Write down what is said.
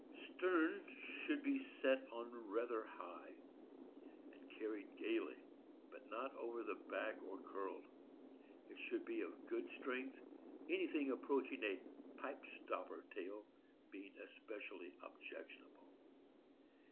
Stern should be set on rather high, and carried gaily, but not over the back or curled. It should be of good strength, anything approaching a "pipe stopper" tail being especially objectionable.